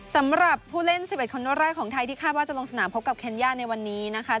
สำหรับผู้เล่น๑๑คนแรกของไทยที่คาดว่าจะลงสนามพบกับเคนย่าในวันนี้นะคะ